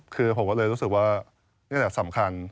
คือผมก็เลยรู้สึกว่านี่แหละสำคัญ